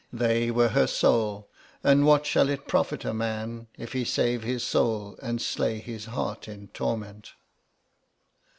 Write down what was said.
They were her soul. And what shall it profit a man if he save his soul and slay his heart in torment?